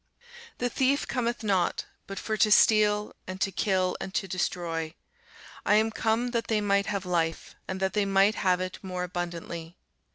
The thief cometh not, but for to steal, and to kill, and to destroy: I am come that they might have life, and that they might have it more abundantly.